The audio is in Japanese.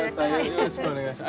よろしくお願いします。